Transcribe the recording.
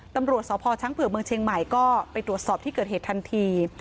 ตำรวจสพช้างเผือกเมืองเชียงใหม่ก็ไปตรวจสอบที่เกิดเหตุทันที